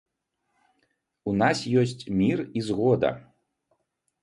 У нас ёсць мір і згода.